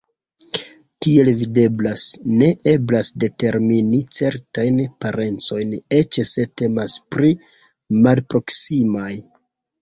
Kiel videblas, ne eblas determini certajn parencojn eĉ se temas pri malproksimaj.